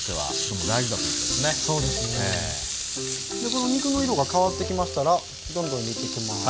この肉の色が変わってきましたらどんどん入れていきます。